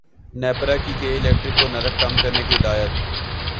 نیپرا کی کے الیکٹرک کو نرخ کم کرنے کی ہدایت